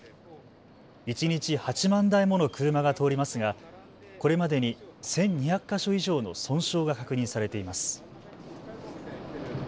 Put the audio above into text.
一日８万台もの車が通りますが、これまでに１２００か所以上の損傷が確認されています。